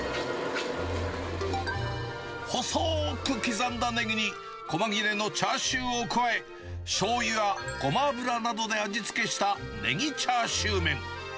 細ーく刻んだネギに、こま切れのチャーシューを加え、しょうゆやごま油などで味付けしたネギチャーシューメン。